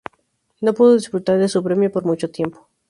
No pudo disfrutar de su premio por mucho tiempo.